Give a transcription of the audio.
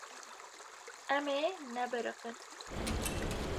Em ê nebiriqin.